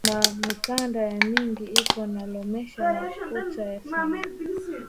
Ma mikanda ya mingi iko na lombesha makuta sana